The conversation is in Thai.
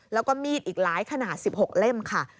แล้วก็มีดอีกหลายขนาด๑๖เล่มค่ะ